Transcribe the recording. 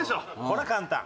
これは簡単。